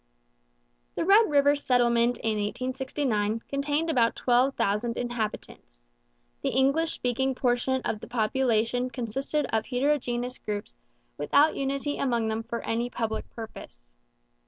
The Red River Settlement in 1869 contained about twelve thousand inhabitants. The English speaking portion of the population consisted of heterogeneous groups without unity among them for any public purpose.